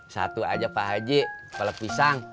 satu aja pak haji kepala pisang